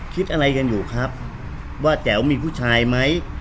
คิดอะไรกันอยู่ครับว่าแจ๋วมีผู้ชายไหม